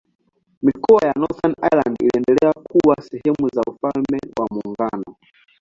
Mikoa ya Northern Ireland iliendelea kuwa sehemu za Ufalme wa Muungano.